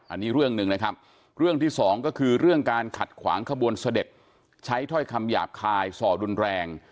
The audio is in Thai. อันนี้เรื่องหนึ่งนะครับเรื่องที่สองก็คือเรื่องการขัดขวางขบวนเสด็จใช้ถ้อยคำหยาบคายส่อรุนแรง